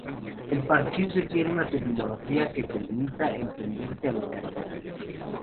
El parchís requiere una terminología que permita entenderse a los jugadores.